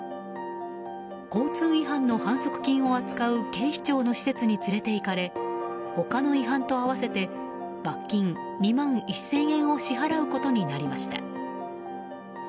交通違反の反則金を扱う警視庁の施設に連れていかれ他の違反と合わせて罰金２万１０００円を支払うことになりました。